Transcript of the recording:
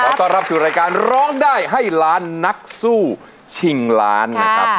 ต้อนรับสู่รายการร้องได้ให้ล้านนักสู้ชิงล้านนะครับ